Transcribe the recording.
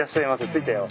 着いたよ。